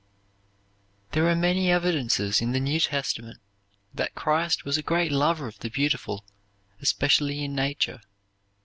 There are many evidences in the New Testament that Christ was a great lover of the beautiful especially in nature.